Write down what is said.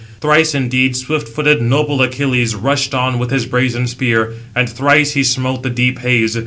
Thrice indeed swift footed noble Achilles rushed on with his brazen spear, and thrice he smote the deep haze.